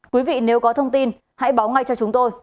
quý vị nếu có thông tin hãy báo ngay cho chúng tôi